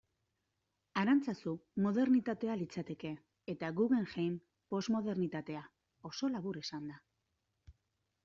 Arantzazu modernitatea litzateke, eta Guggenheim, posmodernitatea, oso labur esanda.